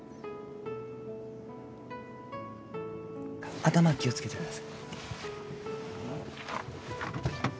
頭気を付けてください。